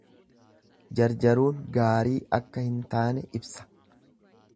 Jarjaruun gaarii akka hin taane ibsa.